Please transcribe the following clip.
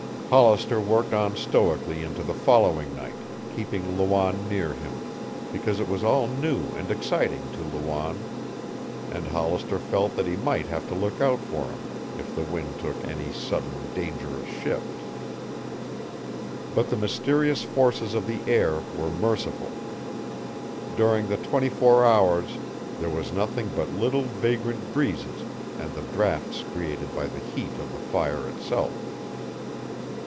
Hollister worked on stoically into the following night, keeping Lawanne near him, because it was all new and exciting to Lawanne, and Hollister felt that he might have to look out for him if the wind took any sudden, dangerous shift. But the mysterious forces of the air were merciful. During the twenty four hours there was nothing but little vagrant breezes and the drafts created by the heat of the fire itself.